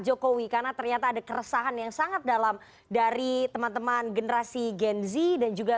jokowi karena ternyata ada keresahan yang sangat dalam dari teman teman generasi gen z dan juga